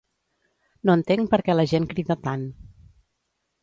No entenc per què la gent crida tant.